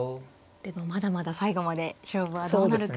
でもまだまだ最後まで勝負はどうなるか分かりませんね。